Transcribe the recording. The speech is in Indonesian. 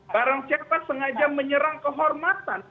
barang siapa sengaja menyerang kehormatan